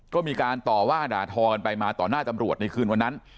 ก็มีการต่อว่าด่าทอกันไปมาต่อหน้าตำรวจในคืนวันนั้น